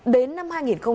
đến năm hai nghìn ba mươi